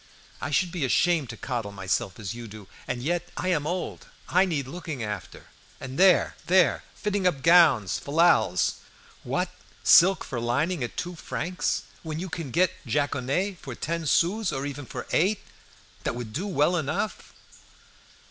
I should be ashamed to coddle myself as you do! And yet I am old. I need looking after. And there! there! fitting up gowns! fallals! What! silk for lining at two francs, when you can get jaconet for ten sous, or even for eight, that would do well enough!"